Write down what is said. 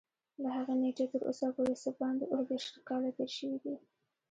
له هغې نېټې تر اوسه پورې څه باندې اووه دېرش کاله تېر شوي دي.